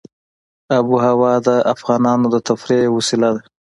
آب وهوا د افغانانو د تفریح یوه وسیله ده.